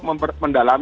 tujuan saya adalah